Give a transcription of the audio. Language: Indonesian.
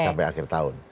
sampai akhir tahun